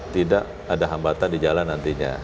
tidak ada hambatan di jalan nantinya